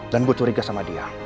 dan gue curiga sama dia